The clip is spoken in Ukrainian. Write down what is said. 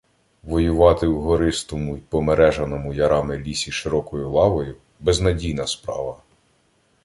Воювати у гористому й помережаному ярами лісі широкою лавою — безнадійна справа.